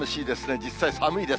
実際、寒いです。